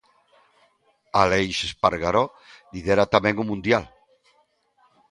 Aleix Espargaró lidera tamén o mundial.